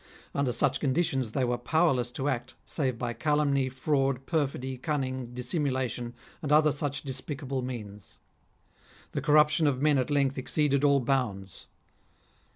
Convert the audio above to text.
Under such conditions they were power less to act, save by calumny, fraud, perfidy, cunning, dissimulation, and other such despicable means. The corruption of men at length exceeded all bounds.